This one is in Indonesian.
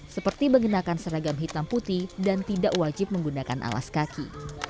seperti mengenakan seragam hitam putih dan tidak wajib menggunakan alas kaki